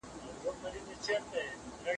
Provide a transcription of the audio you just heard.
په زده کړه کي د نویو لارو لټون کېږي.